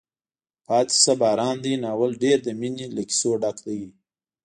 پاتې شه باران دی ناول ډېر د مینې له کیسو ډک ده.